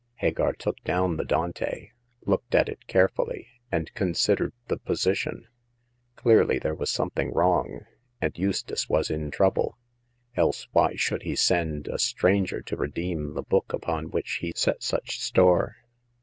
Hagar took down the Dante, looked at it carefully, and considered the position. Clearly there was something wrong, and Eustace was in trouble, else why should he send a stran ger to redeem the book upon which he set such store